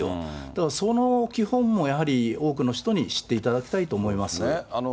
だからその基本もやはり多くの人に知っていただきたいと思います。